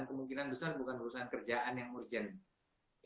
kemungkinan besar bukan urusan kerjaan yang urgent